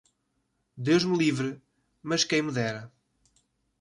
Deus me livre, mas quem me dera